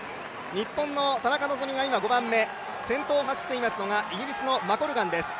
日本の田中希実が今５番目、先頭を走っていますのがイギリスのマコルガンです